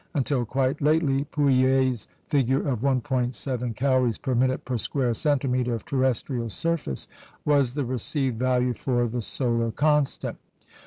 Until quite lately, Pouillet's figure of 1.7 calories per minute per square centimetre of terrestrial surface, was the received value for the "solar constant."